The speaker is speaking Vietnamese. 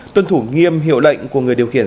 tuân thủ nghiêm hiệu lệnh của người điều khiển